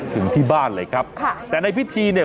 ถึงที่บ้านเลยครับค่ะแต่ในพิธีเนี่ย